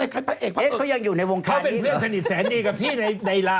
เดี๋ยวเดี๋ยวเขายังอยู่ในวงการนี้หรอ